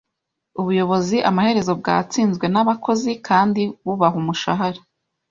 Ubuyobozi amaherezo bwatsinzwe nabakozi kandi bubaha umushahara